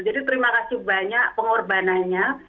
jadi terima kasih banyak pengorbanannya